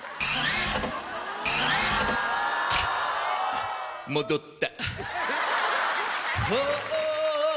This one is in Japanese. あっ戻った。